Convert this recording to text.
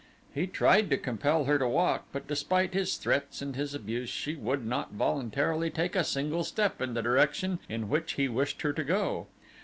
He tried to compel her to walk, but despite his threats and his abuse she would not voluntarily take a single step in the direction in which he wished her to go.